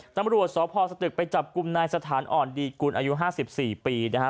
ตำรวจสพสตึกไปจับกลุ่มนายสถานอ่อนดีกุลอายุ๕๔ปีนะฮะ